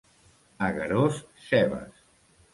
A Garòs, cebes.